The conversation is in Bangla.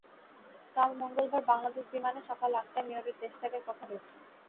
কাল মঙ্গলবার বাংলাদেশ বিমানে সকাল আটটায় মেয়রের দেশ ত্যাগের কথা রয়েছে।